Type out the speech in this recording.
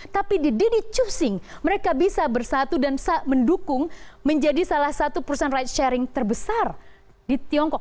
tapi di di chuxing mereka bisa bersatu dan mendukung menjadi salah satu perusahaan ride sharing terbesar di tiongkok